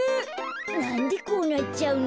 なんでこうなっちゃうの？